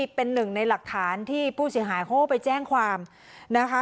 เป็นหนึ่งในหลักฐานที่ผู้เสียหายเขาก็ไปแจ้งความนะคะ